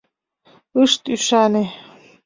Ышт ӱшане.